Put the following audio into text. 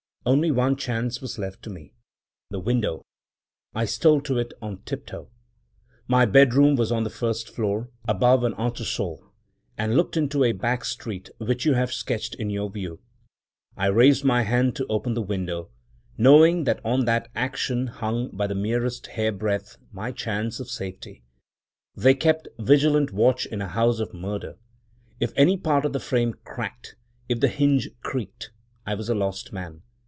Only one chance was left me — the window. I stole to it on tiptoe. My bedroom was on the first floor, above an entresol, and looked into a back street, which you have sketched in your view. I raised my hand to open the window, knowing that on that action hung, by the merest hair breadth, my chance of safety. They keep vigilant watch in a House of Murder. If any part of the frame cracked, if the hinge creaked, I was a lost man!